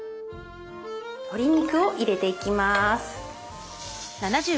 鶏肉を入れていきます。